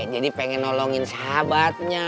jadi pengen nolongin sahabatnya